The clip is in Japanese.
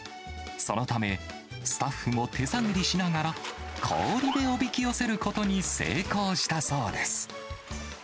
そのため、スタッフも手探りしながら、氷でおびき寄せることに成功したそうです。